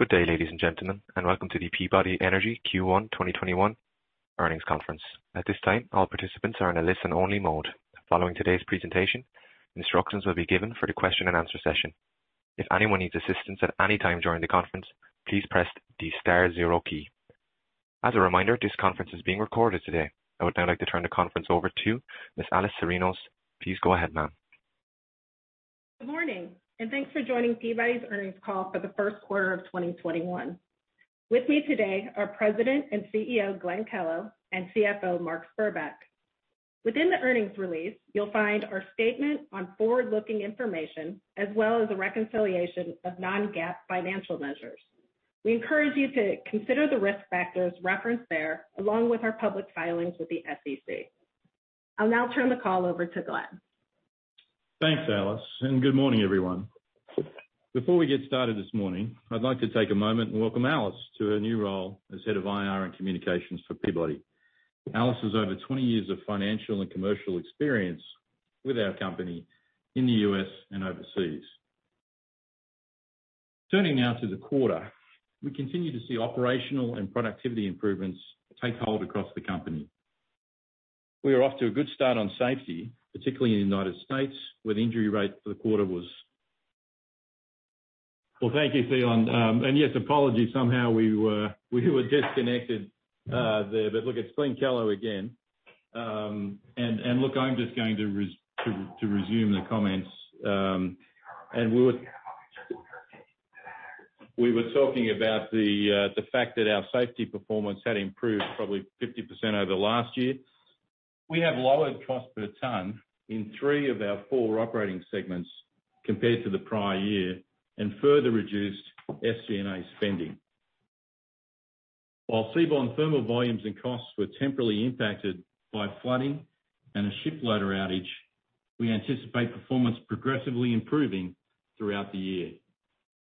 Good day, ladies and gentlemen, and welcome to the Peabody Energy Q1 2021 earnings conference. At this time, all participants are in listen-only mode. Following today's presentation, instructions will be given for the question and answer session. If anyone needs assistance at any time during the conference, please press star zero key. As a reminder, this conference is being recorded today. I would now like to turn the conference over to Ms. Alice Tharenos. Please go ahead, ma'am. Good morning, and thanks for joining Peabody's earnings call for the first quarter of 2021. With me today are President and CEO, Glenn Kellow, and CFO, Mark Spurbeck. Within the earnings release, you'll find our statement on forward-looking information, as well as a reconciliation of non-GAAP financial measures. We encourage you to consider the risk factors referenced there, along with our public filings with the SEC. I'll now turn the call over to Glenn. Thanks, Alice Tharenos. Good morning, everyone. Before we get started this morning, I'd like to take a moment and welcome Alice Tharenos to her new role as head of IR and communications for Peabody. Alice Tharenos has over 20 years of financial and commercial experience with our company in the U.S. and overseas. Turning now to the quarter, we continue to see operational and productivity improvements take hold across the company. We are off to a good start on safety, particularly in the United States, where the injury rate for the quarter was. Well, thank you, Theon. Yes, apologies. Somehow we were disconnected there. Look, it's Glenn Kellow again. Look, I'm just going to resume the comments. We were talking about the fact that our safety performance had improved probably 50% over last year. We have lowered cost per ton in three of our four operating segments compared to the prior year and further reduced SG&A spending. While Seaborne thermal volumes and costs were temporarily impacted by flooding and a ship loader outage, we anticipate performance progressively improving throughout the year.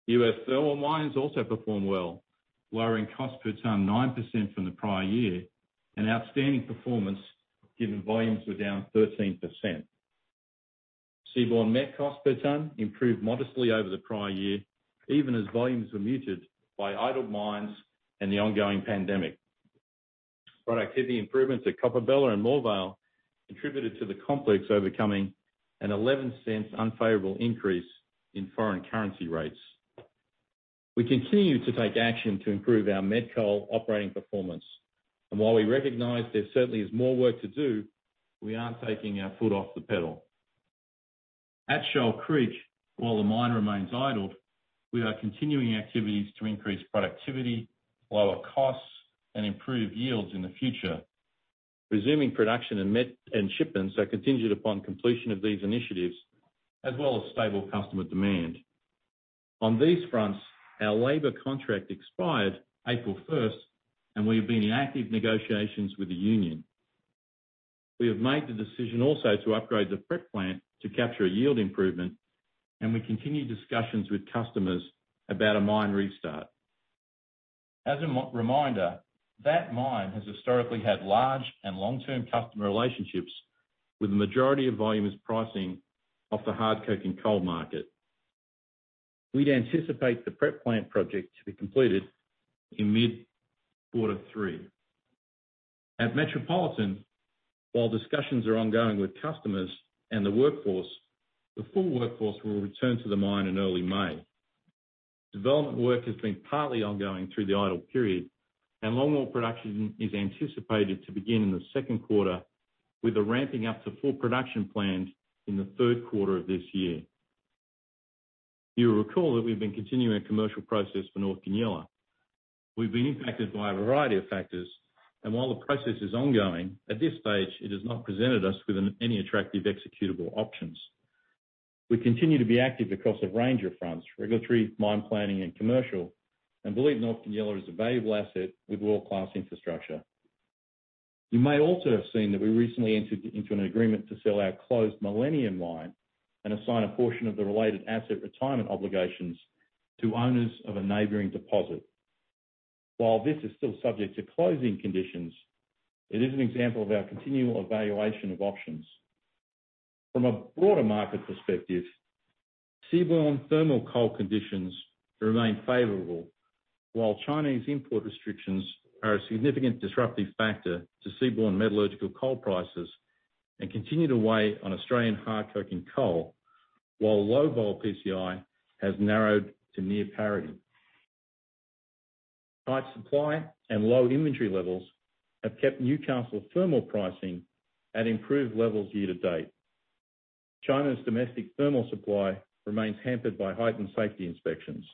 U.S. thermal mines also perform well, lowering cost per ton 9% from the prior year, an outstanding performance given volumes were down 13%. Seaborne met cost per ton improved modestly over the prior year, even as volumes were muted by idled mines and the ongoing pandemic. Productivity improvements at Coppabella and Moorvale contributed to the complex overcoming an $0.11 unfavorable increase in foreign currency rates. We continue to take action to improve our met coal operating performance. While we recognize there certainly is more work to do, we aren't taking our foot off the pedal. At Shoal Creek, while the mine remains idle, we are continuing activities to increase productivity, lower costs, and improve yields in the future. Resuming production and shipments are contingent upon completion of these initiatives, as well as stable customer demand. On these fronts, our labor contract expired April 1st, and we have been in active negotiations with the union. We have made the decision also to upgrade the prep plant to capture a yield improvement, and we continue discussions with customers about a mine restart. As a reminder, that mine has historically had large and long-term customer relationships, with the majority of volumes pricing off the hard coking coal market. We'd anticipate the prep plant project to be completed in mid-quarter three. At Metropolitan, while discussions are ongoing with customers and the workforce, the full workforce will return to the mine in early May. Development work has been partly ongoing through the idle period, and longwall production is anticipated to begin in the second quarter, with a ramping up to full production planned in the third quarter of this year. You will recall that we've been continuing a commercial process for North Goonyella. We've been impacted by a variety of factors, and while the process is ongoing, at this stage, it has not presented us with any attractive executable options. We continue to be active across a range of fronts, regulatory, mine planning and commercial, and believe North Goonyella is a valuable asset with world-class infrastructure. You may also have seen that we recently entered into an agreement to sell our closed Millennium Mine and assign a portion of the related asset retirement obligations to owners of a neighboring deposit. While this is still subject to closing conditions, it is an example of our continual evaluation of options. From a broader market perspective, seaborne thermal coal conditions remain favorable, while Chinese import restrictions are a significant disruptive factor to seaborne metallurgical coal prices and continue to weigh on Australian hard coking coal, while low vol PCI has narrowed to near parity. Tight supply and low inventory levels have kept Newcastle thermal pricing at improved levels year to date. China's domestic thermal supply remains hampered by heightened safety inspections.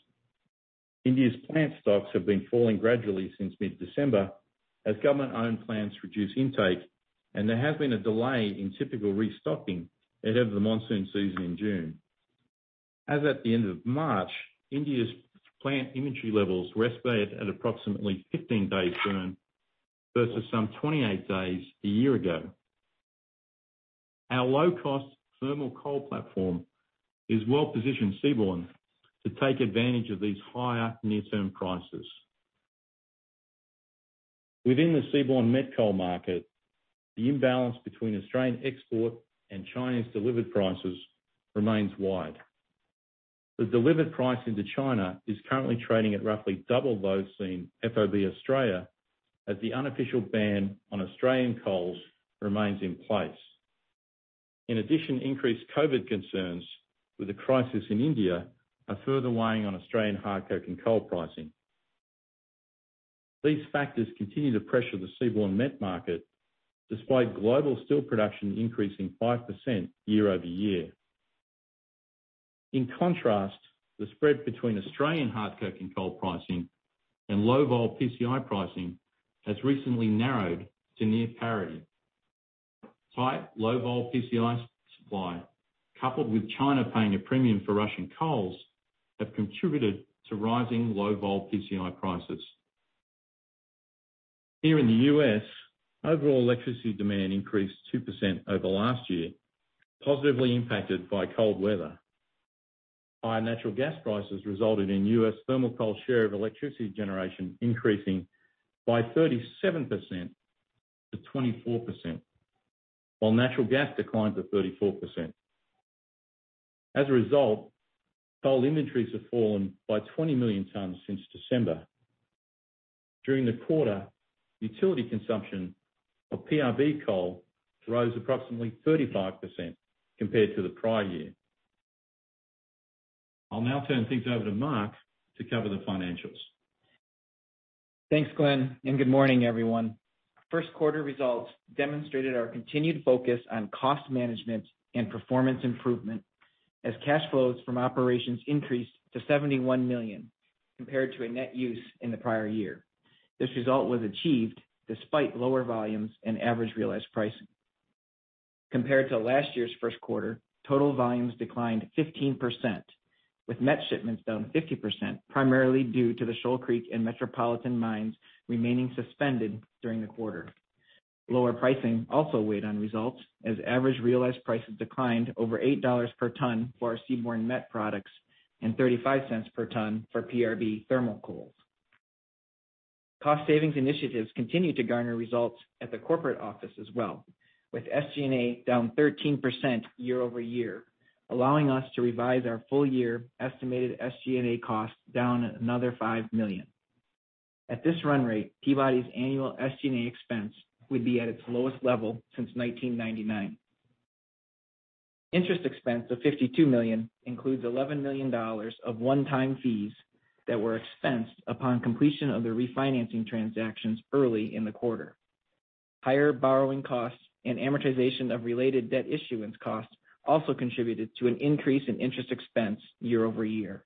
India's plant stocks have been falling gradually since mid-December as government-owned plants reduce intake, and there has been a delay in typical restocking ahead of the monsoon season in June. As at the end of March, India's plant inventory levels were estimated at approximately 15 days burn versus some 28 days a year ago. Our low-cost thermal coal platform has well-positioned seaborne to take advantage of these higher near-term prices. Within the seaborne met coal market, the imbalance between Australian export and Chinese delivered prices remains wide. The delivered price into China is currently trading at roughly double those seen FOB Australia, as the unofficial ban on Australian coals remains in place. In addition, increased COVID concerns with the crisis in India are further weighing on Australian coking coal pricing. These factors continue to pressure the seaborne met market despite global steel production increasing 5% year-over-year. In contrast, the spread between Australian coking coal pricing and low-vol PCI pricing has recently narrowed to near parity. Tight low-vol PCI supply, coupled with China paying a premium for Russian coals, have contributed to rising low-vol PCI prices. Here in the U.S., overall electricity demand increased 2% over last year, positively impacted by cold weather. High natural gas prices resulted in U.S. thermal coal share of electricity generation increasing by 37% to 24%, while natural gas declined to 34%. As a result, coal inventories have fallen by 20 million tonnes since December. During the quarter, utility consumption of PRB coal rose approximately 35% compared to the prior year. I'll now turn things over to Mark to cover the financials. Thanks, Glenn Kellow, and good morning, everyone. First quarter results demonstrated our continued focus on cost management and performance improvement as cash flows from operations increased to $71 million compared to a net use in the prior year. This result was achieved despite lower volumes and average realized pricing. Compared to last year's first quarter, total volumes declined 15%, with met shipments down 50%, primarily due to the Shoal Creek and Metropolitan mines remaining suspended during the quarter. Lower pricing also weighed on results, as average realized prices declined over $8 per tonne for our seaborne met products and $0.35 per tonne for PRB thermal coals. Cost savings initiatives continue to garner results at the corporate office as well, with SG&A down 13% year-over-year, allowing us to revise our full-year estimated SG&A costs down another $5 million. At this run rate, Peabody's annual SG&A expense would be at its lowest level since 1999. Interest expense of $52 million includes $11 million of one-time fees that were expensed upon completion of the refinancing transactions early in the quarter. Higher borrowing costs and amortization of related debt issuance costs also contributed to an increase in interest expense year-over-year.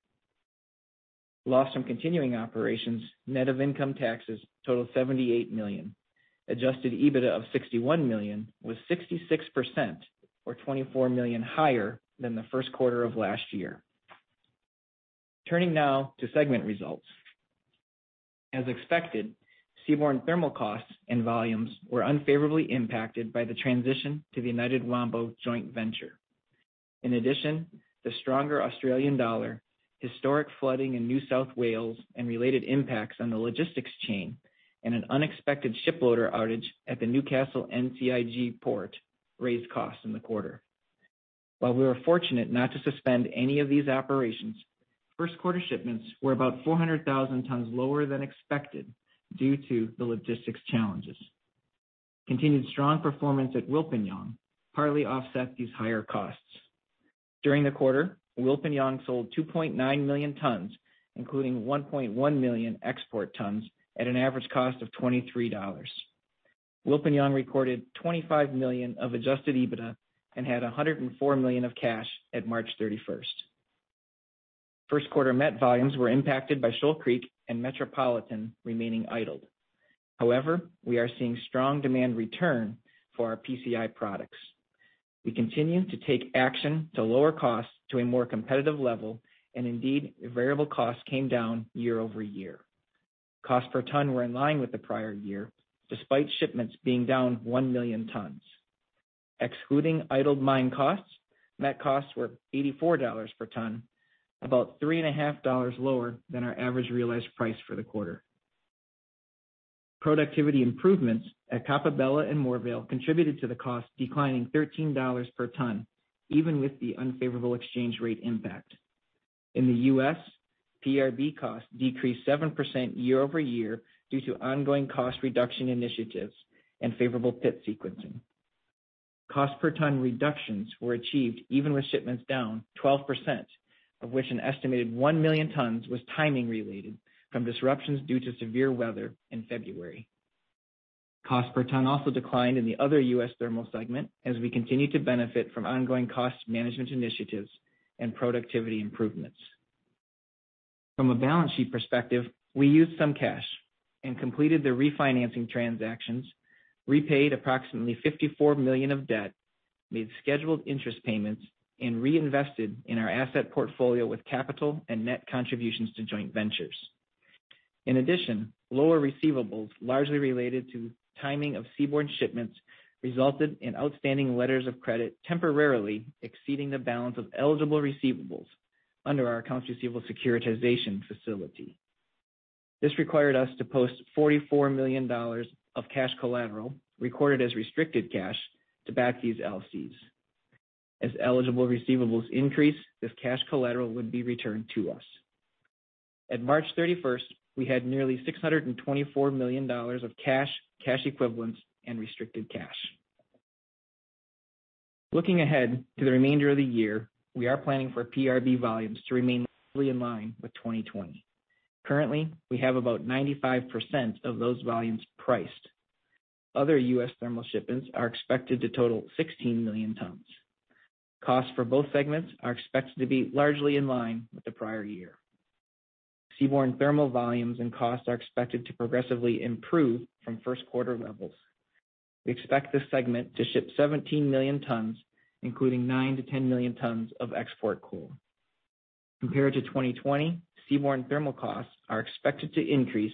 Loss from continuing operations, net of income taxes, totaled $78 million. Adjusted EBITDA of $61 million was 66%, or $24 million higher than the first quarter of last year. Turning now to segment results. As expected, seaborne thermal costs and volumes were unfavorably impacted by the transition to the United Wambo joint venture. In addition, the stronger Australian dollar, historic flooding in New South Wales and related impacts on the logistics chain, and an unexpected ship loader outage at the Newcastle NCIG port raised costs in the quarter. While we were fortunate not to suspend any of these operations, first quarter shipments were about 400,000 tonnes lower than expected due to the logistics challenges. Continued strong performance at Wilpinjong partly offset these higher costs. During the quarter, Wilpinjong sold 2.9 million tonnes, including 1.1 million export tonnes, at an average cost of $23. Wilpinjong recorded $25 million of adjusted EBITDA and had $104 million of cash at March 31st. First quarter met volumes were impacted by Shoal Creek and Metropolitan remaining idled. We are seeing strong demand return for our PCI products. We continue to take action to lower costs to a more competitive level, variable costs came down year-over-year. Cost per tonne were in line with the prior year, despite shipments being down one million tonnes. Excluding idled mine costs, met costs were $84 per tonne, about $3.5 lower than our average realized price for the quarter. Productivity improvements at Coppabella and Moorvale contributed to the cost declining $13 per tonne, even with the unfavorable exchange rate impact. In the U.S., PRB costs decreased 7% year-over-year due to ongoing cost reduction initiatives and favorable pit sequencing. Cost per tonne reductions were achieved even with shipments down 12%, of which an estimated 1 million tonnes was timing related from disruptions due to severe weather in February. Cost per tonne also declined in the other U.S. thermal segment, as we continue to benefit from ongoing cost management initiatives and productivity improvements. From a balance sheet perspective, we used some cash and completed the refinancing transactions, repaid approximately $54 million of debt, made scheduled interest payments, and reinvested in our asset portfolio with capital and net contributions to joint ventures. In addition, lower receivables, largely related to timing of seaborne shipments, resulted in outstanding Letters of Credit temporarily exceeding the balance of eligible receivables under our accounts receivable securitization facility. This required us to post $44 million of cash collateral, recorded as restricted cash, to back these LCs. As eligible receivables increase, this cash collateral would be returned to us. At March 31st, we had nearly $624 million of cash equivalents, and restricted cash. Looking ahead to the remainder of the year, we are planning for PRB volumes to remain closely in line with 2020. Currently, we have about 95% of those volumes priced. Other U.S. thermal shipments are expected to total 16 million tons. Costs for both segments are expected to be largely in line with the prior year. Seaborne thermal volumes and costs are expected to progressively improve from first quarter levels. We expect this segment to ship 17 million tons, including 9 million-10 million tons of export coal. Compared to 2020, seaborne thermal costs are expected to increase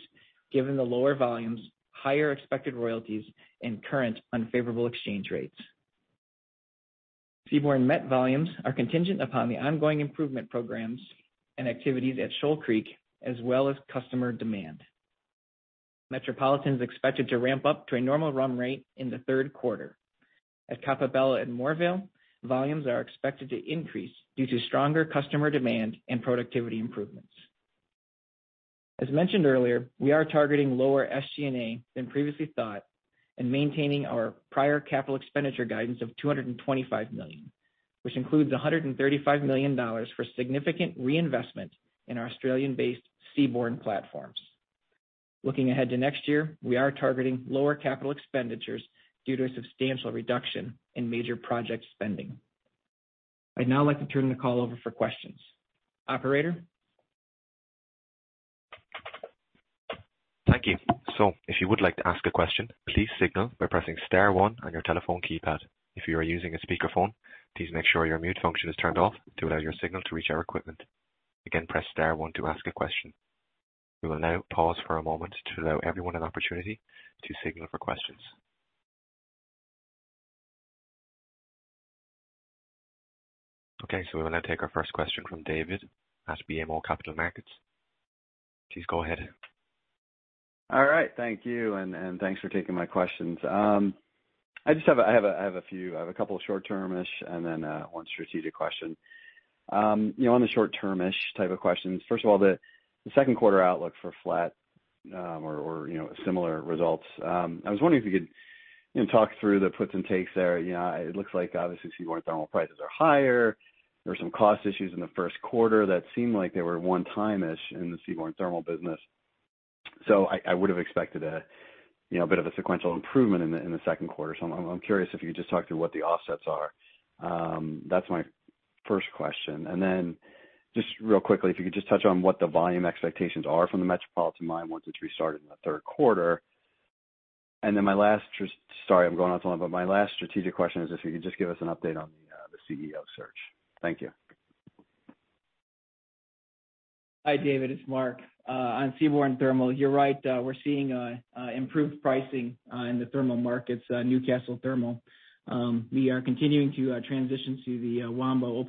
given the lower volumes, higher expected royalties, and current unfavorable exchange rates. Seaborne met volumes are contingent upon the ongoing improvement programs and activities at Shoal Creek, as well as customer demand. Moorvale is expected to ramp up to a normal run rate in the third quarter. At Coppabella and Moorvale, volumes are expected to increase due to stronger customer demand and productivity improvements. As mentioned earlier, we are targeting lower SG&A than previously thought and maintaining our prior capital expenditure guidance of $225 million, which includes $135 million for significant reinvestment in our Australian-based seaborne platforms. Looking ahead to next year, we are targeting lower capital expenditures due to a substantial reduction in major project spending. I'd now like to turn the call over for questions. Operator? Okay, we will now take our first question from David Gagliano at BMO Capital Markets. Please go ahead. All right. Thank you, and thanks for taking my questions. I have a few. I have a couple of short-term-ish and then one strategic question. On the short-term-ish type of questions, first of all, the second quarter outlook for flat or similar results. I was wondering if you could talk through the puts and takes there? It looks like obviously seaborne thermal prices are higher. There were some cost issues in the first quarter that seemed like they were one time-ish in the seaborne thermal business. I would have expected a bit of a sequential improvement in the second quarter. I'm curious if you could just talk through what the offsets are? That's my first question. Then just real quickly, if you could just touch on what the volume expectations are from the Metropolitan mine once it's restarted in the third quarter. My last, sorry, I'm going on so long, but my last strategic question is if you could just give us an update on the CEO search. Thank you. Hi, David, it's Mark. On seaborne thermal, you're right. We're seeing improved pricing in the thermal markets, Newcastle thermal. We are continuing to transition to the Wambo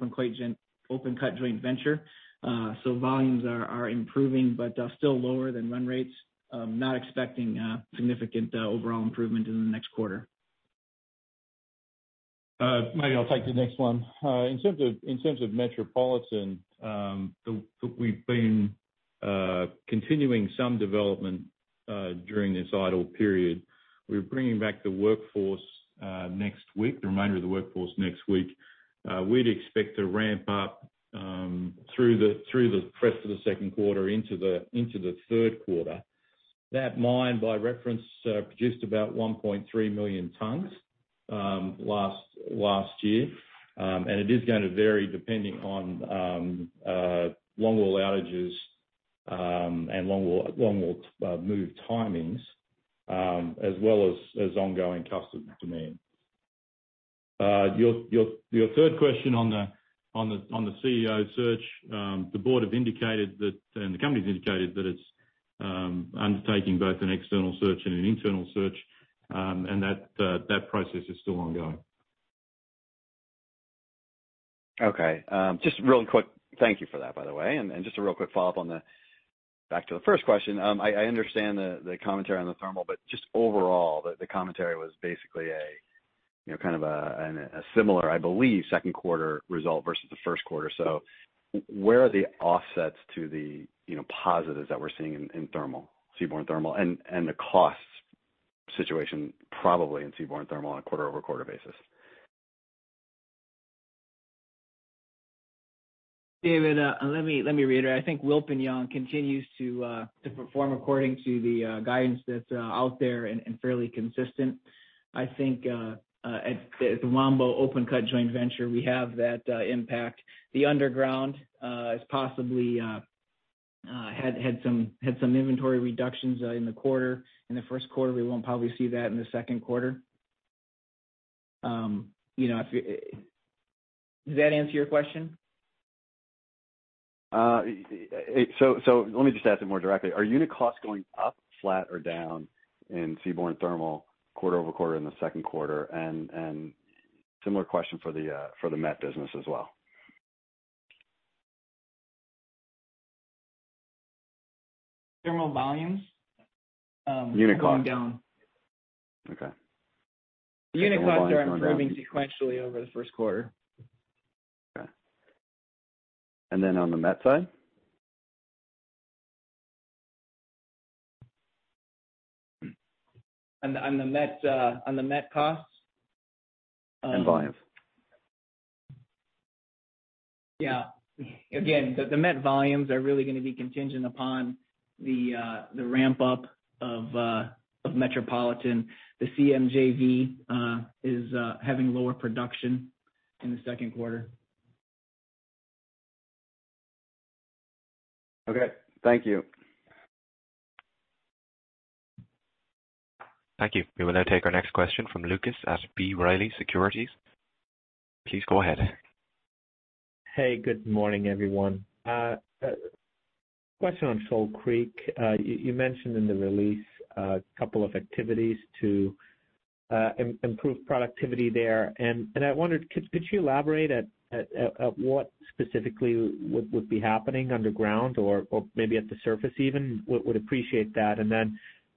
open cut joint venture. Volumes are improving, but still lower than run rates. Not expecting a significant overall improvement in the next quarter. Maybe I'll take the next one. In terms of Metropolitan, we've been continuing some development during this idle period. We're bringing back the workforce next week, the remainder of the workforce next week. We'd expect to ramp up through the rest of the second quarter into the third quarter. That mine, by reference, produced about 1.3 million tons last year. It is going to vary depending on long-wall outages and long-wall move timings, as well as ongoing customer demand. Your third question on the CEO search, the board have indicated that, the company's indicated that it's undertaking both an external search and an internal search, that process is still ongoing. Okay. Just real quick, thank you for that, by the way. Just a real quick follow-up back to the first question. I understand the commentary on the thermal, but just overall, the commentary was basically a similar, I believe, second quarter result versus the first quarter. Where are the offsets to the positives that we're seeing in thermal, seaborne thermal, and the cost situation probably in seaborne thermal on a quarter-over-quarter basis? David, let me reiterate. I think Wilpinjong continues to perform according to the guidance that's out there and fairly consistent. I think at the Wambo open cut joint venture, we have that impact. The underground possibly had some inventory reductions in the quarter, in the first quarter. We won't probably see that in the second quarter. Does that answer your question? Let me just ask it more directly. Are unit costs going up, flat, or down in seaborne thermal? Quarter-over-quarter in the second quarter. Similar question for the met business as well. Thermal volumes. Unit costs. going down. Okay. Unit volumes going down. Unit costs are improving sequentially over the first quarter. Okay. On the met side? On the met costs? Volumes. Yeah. Again, the met volumes are really going to be contingent upon the ramp-up of Metropolitan. The CMJV is having lower production in the second quarter. Okay. Thank you. Thank you. We will now take our next question from Lucas Pipes at B. Riley Securities. Please go ahead. Hey, good morning, everyone. Question on Shoal Creek. You mentioned in the release a couple of activities to improve productivity there. I wondered, could you elaborate at what specifically would be happening underground or maybe at the surface even? Would appreciate that.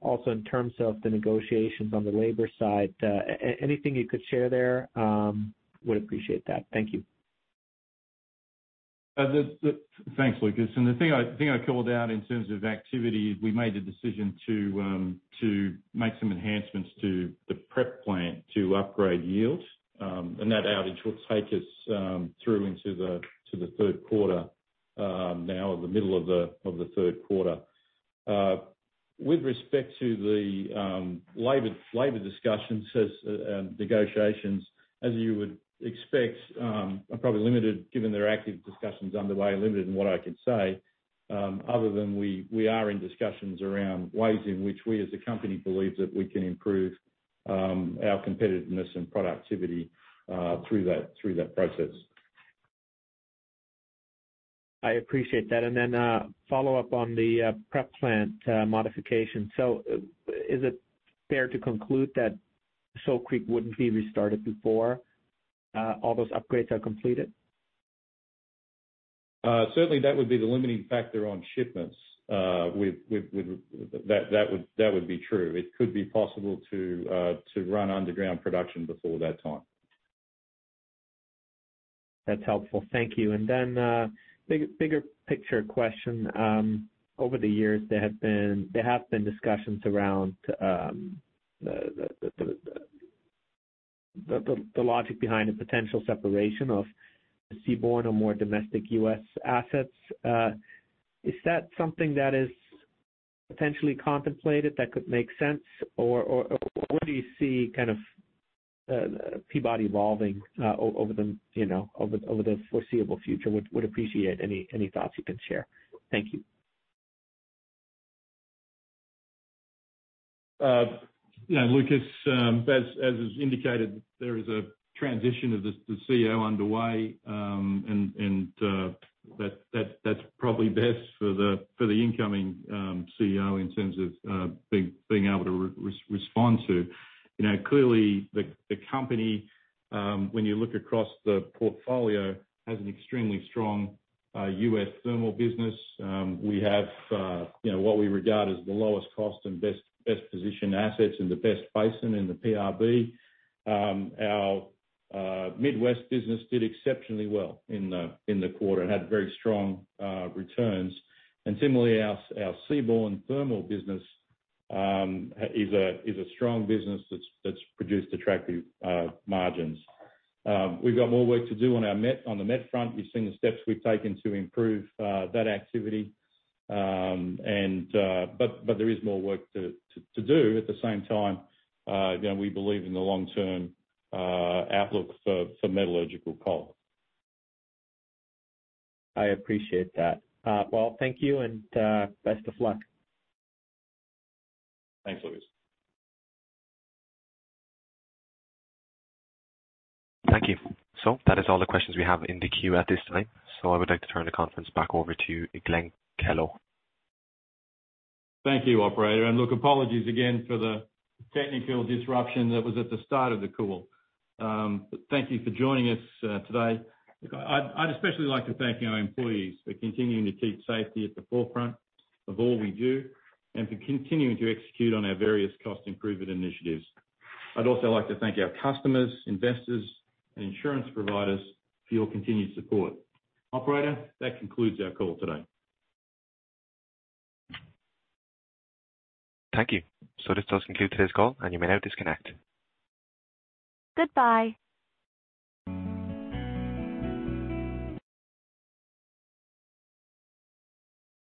Also in terms of the negotiations on the labor side, anything you could share there, would appreciate that. Thank you. Thanks, Lucas. The thing I called out in terms of activity, we made the decision to make some enhancements to the prep plant to upgrade yields. That outage will take us through into the third quarter now, the middle of the third quarter. With respect to the labor discussions and negotiations, as you would expect, are probably limited given there are active discussions underway, limited in what I can say, other than we are in discussions around ways in which we as a company believe that we can improve our competitiveness and productivity through that process. I appreciate that. Follow-up on the prep plant modification. Is it fair to conclude that Shoal Creek wouldn't be restarted before all those upgrades are completed? Certainly that would be the limiting factor on shipments. That would be true. It could be possible to run underground production before that time. That's helpful. Thank you. Bigger picture question. Over the years, there have been discussions around the logic behind the potential separation of seaborne or more domestic U.S. assets. Is that something that is potentially contemplated that could make sense? Where do you see Peabody evolving over the foreseeable future? Would appreciate any thoughts you can share. Thank you. Lucas, as is indicated, there is a transition of the CEO underway. That's probably best for the incoming CEO in terms of being able to respond to. Clearly the company, when you look across the portfolio, has an extremely strong U.S. thermal business. We have what we regard as the lowest cost and best positioned assets in the best basin in the PRB. Our Midwest business did exceptionally well in the quarter and had very strong returns. Similarly, our seaborne thermal business is a strong business that's produced attractive margins. We've got more work to do on the met front. You've seen the steps we've taken to improve that activity. There is more work to do. At the same time, we believe in the long-term outlook for metallurgical coal. I appreciate that. Well, thank you, and best of luck. Thanks, Lucas. Thank you. That is all the questions we have in the queue at this time. I would like to turn the conference back over to you, Glenn Kellow. Thank you, operator. Look, apologies again for the technical disruption that was at the start of the call. Thank you for joining us today. I'd especially like to thank our employees for continuing to keep safety at the forefront of all we do, and for continuing to execute on our various cost improvement initiatives. I'd also like to thank our customers, investors, and insurance providers for your continued support. Operator, that concludes our call today. Thank you. This does conclude today's call, and you may now disconnect. Goodbye.